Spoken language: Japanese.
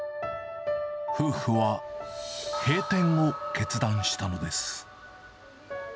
夫婦は閉店を決断したのです。